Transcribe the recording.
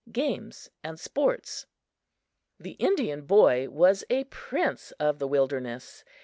Games and Sports THE Indian boy was a prince of the wilderness.